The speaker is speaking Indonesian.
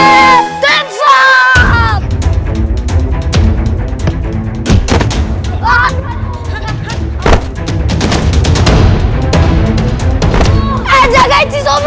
ustadz rebananya udah ketemu